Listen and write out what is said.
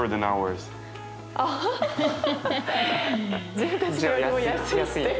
「自分たちよりも安い」って。